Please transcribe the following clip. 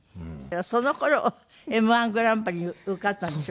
その頃Ｍ−１グランプリに受かったんでしょ？